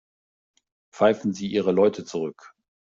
Pfeifen Sie Ihre Leute zurück.